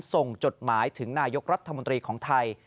จดหมายถึงนายกรัฐมนตรีของไทย